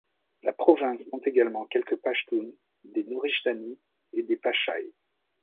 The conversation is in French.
La province compte également quelques Pachtounes, des Nouristani et des Pashai.